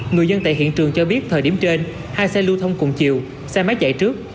người dân tại hiện trường cho biết thời điểm trên hai xe lưu thông cùng chiều xe máy chạy trước